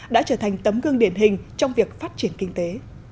đã trở thành tấm gương điển hình trong việc phát triển kinh tế